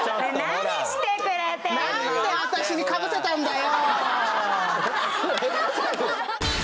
何で私にかぶせたんだよ！